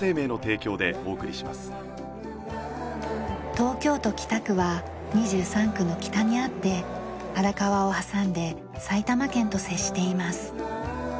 東京都北区は２３区の北にあって荒川を挟んで埼玉県と接しています。